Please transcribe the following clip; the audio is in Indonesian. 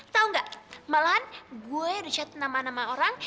tahu gak malahan gue udah chatin nama nama orang